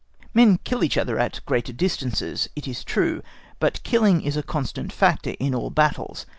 Men kill each other at greater distances, it is true—but killing is a constant factor in all battles.